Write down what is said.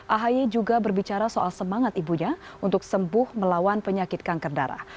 ahy juga berbicara soal semangat ibunya untuk sembuh melawan penyakit kanker darah